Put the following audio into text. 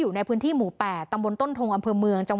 วันตอน๓ทุ่มเดี๋ยวโทรไปเป็นไง